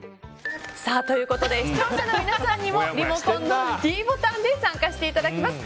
視聴者の皆さんにもリモコンのｄボタンで参加していただきます。